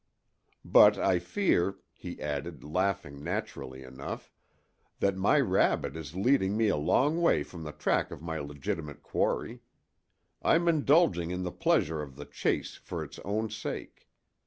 "But I fear," he added, laughing naturally enough, "that my rabbit is leading me a long way from the track of my legitimate quarry: I'm indulging in the pleasure of the chase for its own sake.